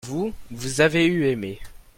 vous, vous avez eu aimé.